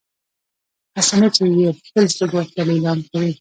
هسي نه چې يې بل څوک ورته ليلام کړي